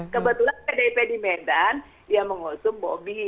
kebetulan pdip di medan yang mengusung bobi